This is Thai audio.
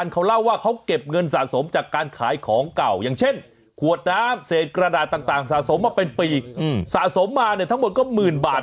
ไข่จิ้งจกได้ไหม